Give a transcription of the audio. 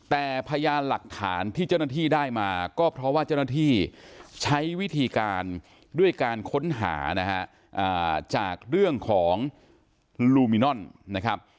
แต่พยานหลักฐานที่เจ้าหน้าที่ได้มาก็เพราะว่าเจ้าหน้าที่ใช้วิธีการด้วยการค้นหานะฮะจากเรื่องของลูมินอนนะครับ